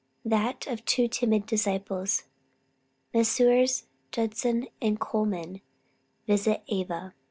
THAT OF TWO TIMID DISCIPLES. MESSRS. JUDSON AND COLMAN VISIT AVA.